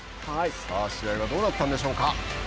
さあ、試合はどうなったんでしょうか。